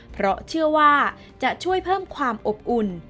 เพราะเชื่อว่าจะช่วยเพิ่มความอบอุ่น